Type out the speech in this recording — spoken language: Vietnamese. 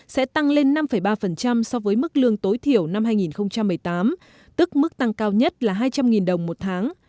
sẽ tăng lên năm ba so với mức lương tối thiểu năm hai nghìn một mươi tám tức mức tăng cao nhất là hai trăm linh đồng một tháng